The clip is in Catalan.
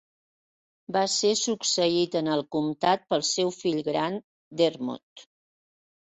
Va ser succeït en el comtat pel seu fill gran, Dermot.